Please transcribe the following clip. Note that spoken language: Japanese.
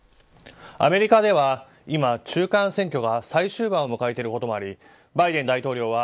アメリカでは、今、中間選挙が最終盤を迎えていることもありバイデン大統領は